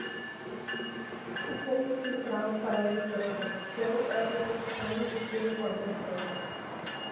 Um ponto central para esta reflexão é a concepção de que a informação